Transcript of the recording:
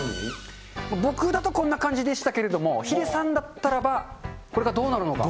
僕だとこんな感じでしたけれども、ヒデさんだったらば、これがどうなるのか。